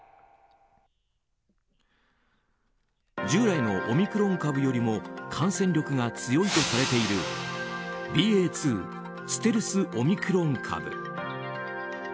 従来のオミクロン株よりも感染力が強いとされているＢＡ．２ステルスオミクロン株。